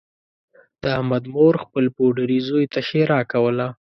د احمد مور خپل پوډري زوی ته ښېرا کوله